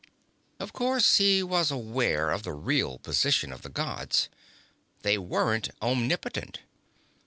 Of course, he was aware of the real position of the Gods. They weren't omnipotent.